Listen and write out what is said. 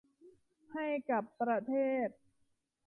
ให้กับประเทศ